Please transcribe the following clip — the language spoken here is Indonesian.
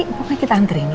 pokoknya kita anterin ya